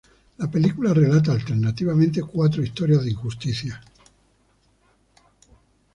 La película relata alternativamente cuatro historias de injusticia.